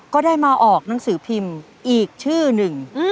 ก็ได้มาออกหนังสือพิมพ์อีกชื่อหนึ่ง